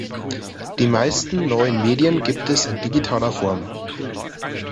Die meisten neuen Medien gibt es in digitaler Form.